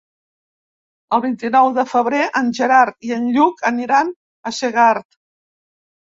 El vint-i-nou de febrer en Gerard i en Lluc aniran a Segart.